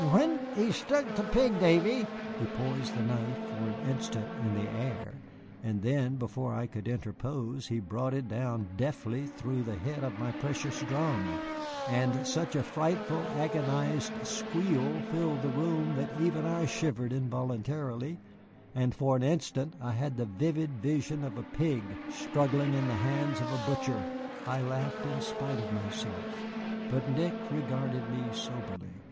"N'when he stuck the pig, Davy, " He poised the knife for an instant in the air, and then, before I could interpose, he brought it down deftly through the head of my precious drum, and such a frightful, agonized squeal filled the room that even I shivered involuntarily, and for an instant I had a vivid vision of a pig struggling in the hands of a butcher. I laughed in spite of myself. But Nick regarded me soberly.